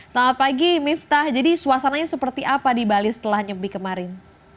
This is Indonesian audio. selamat pagi miftah jadi suasananya seperti apa di bali setelah nyepi kemarin